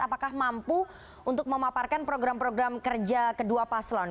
apakah mampu untuk memaparkan program program kerja kedua paslon